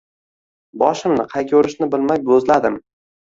Boshimni qayga urishni bilmay bo`zladim